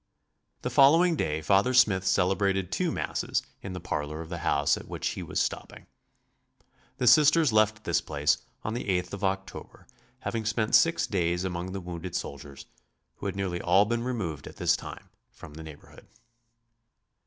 The following day Father Smith celebrated two Masses in the parlor of the house at which he was stopping. The Sisters left this place on the 8th of October, having spent six days among the wounded soldiers, who had nearly all been removed at this time from the neighborhood.